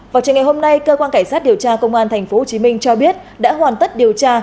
vào trường ngày hôm nay cơ quan cảnh sát điều tra công an tp hcm cho biết đã hoàn tất điều tra